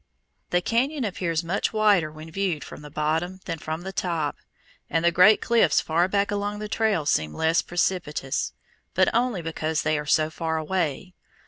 The cañon appears much wider when viewed from the bottom than from the top, and the great cliffs far back along the trail seem less precipitous, but only because they are so far away.